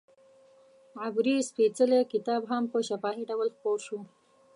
عبري سپېڅلی کتاب هم په شفاهي ډول خپور شو.